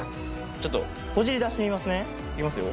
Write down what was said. ちょっとほじりだしてみますねいきますよ